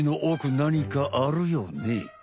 なにかあるよね。